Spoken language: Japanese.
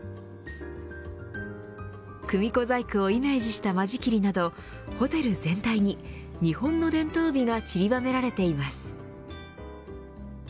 組子細工をイメージした間仕切りなどホテル全体に日本の伝統美が散りばめられています。